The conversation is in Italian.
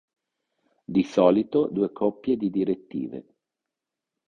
Di solito due coppie di direttive.